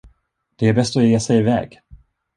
Det är bäst att ge sig i väg!